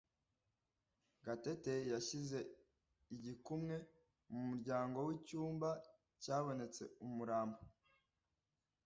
Gatete yasize igikumwe ku muryango wicyumba cyabonetse umurambo.